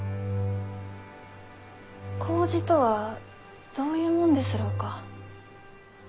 麹とはどういうもんですろうか？